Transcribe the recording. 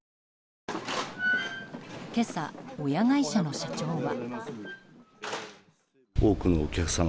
今朝、親会社の社長は。